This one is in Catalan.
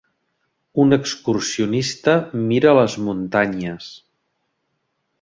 Un excursionista mira les muntanyes.